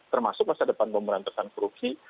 termasuk masa depan pemberantasan korupsi